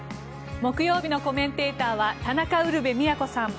木曜日のコメンテーターは田中ウルヴェ京さん。